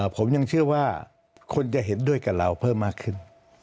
ผมยังเชื่อว่าคนจะเห็นด้วยกับเราเพิ่มมากขึ้น